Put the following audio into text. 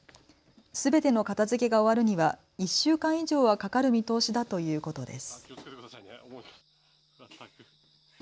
すべての片づけが終わるには１週間以上はかかる見通しだということです。